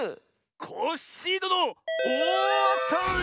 ⁉コッシーどのおおあたり！